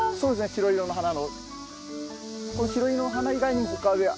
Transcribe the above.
白色の花の。